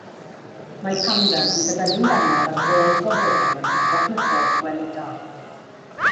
Mae pandas yn dibynnu'n bennaf ar gof gofodol yn hytrach na chof gweledol.